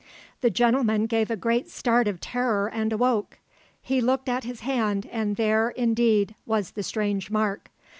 The gentleman gave a great start of terror and awoke. He looked at his hand and there, indeed, was the strange mark.